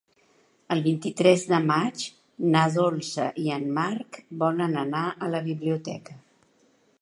El vint-i-tres de maig na Dolça i en Marc volen anar a la biblioteca.